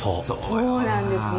そうなんですね。